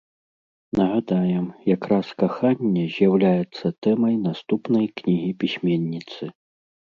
Нагадаем, якраз каханне з'яўляецца тэмай наступнай кнігі пісьменніцы.